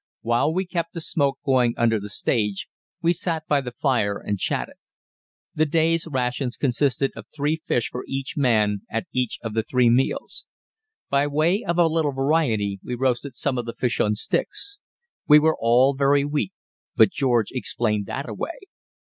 While we kept the smoke going under the stage, we sat by the fire and chatted. The day's rations consisted of three fish for each man at each of the three meals. By way of a little variety we roasted some of the fish on sticks. We were all very weak, but George explained that away.